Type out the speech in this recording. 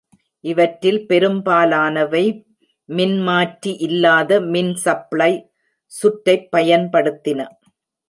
இவற்றில் பெரும்பாலானவை மின்மாற்றி இல்லாத மின் சப்ளை சுற்றைப் பயன்படுத்தின.